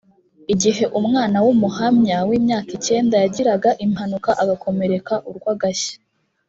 igihe umwana w umuhamya w imyaka icyenda yagiraga impanuka agakomereka urwagashya